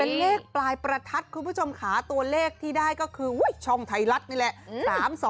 เป็นเลขปลายประทัดคุณผู้ชมขาตัวเลขที่ได้ก็คือช่องไทยรัฐนี่แหละ